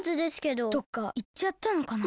どっかいっちゃったのかな？